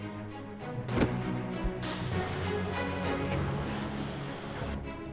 saya harus menahan sakit setiap muntul